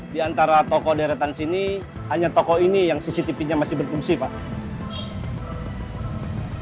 di antara toko deretan sini hanya toko ini yang cctv nya masih berfungsi pak